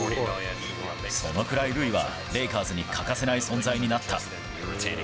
そのくらいルイは、レイカーズに欠かせない存在になった。